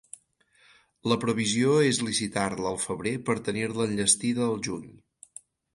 La previsió es licitar-la al febrer per tenir-la enllestida al juny.